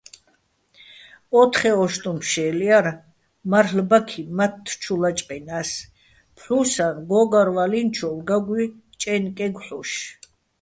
ო́თხე ო́შტუჼ ფშე́ლ ჲარ, მარლ'ბაქი მათთ ჩუ ლაჭყჲინა́ს, ფჴუსაჼ გო́გარვალინჩოვ გაგუჲ ჭაჲნკეგო̆ ჰ̦ოშ.